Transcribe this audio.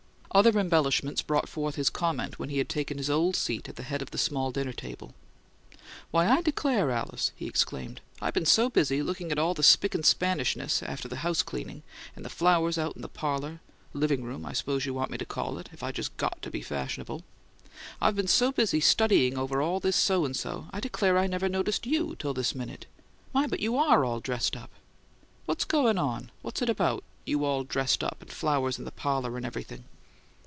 Other embellishments brought forth his comment when he had taken his old seat at the head of the small dinner table. "Why, I declare, Alice!" he exclaimed. "I been so busy looking at all the spick and spanishness after the house cleaning, and the flowers out in the parlour 'living room' I suppose you want me to call it, if I just GOT to be fashionable I been so busy studying over all this so and so, I declare I never noticed YOU till this minute! My, but you ARE all dressed up! What's goin' on? What's it about: you so all dressed up, and flowers in the parlour and everything?"